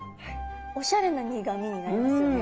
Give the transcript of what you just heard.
おしゃれな苦みになりますよね。